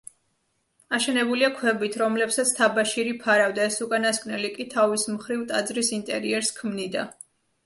აშენებულია ქვებით, რომლებსაც თაბაშირი ფარავდა, ეს უკანასკნელი კი თავის მხრივ, ტაძრის ინტერიერს ქმნიდა.